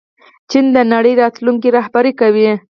چین د نړۍ راتلونکی رهبري کوي.